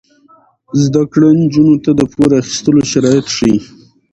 زده کړه نجونو ته د پور اخیستلو شرایط ښيي.